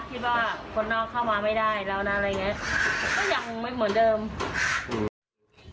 คิดว่าคนนอกเข้ามาไม่ได้แล้วนะอะไรอย่างนี้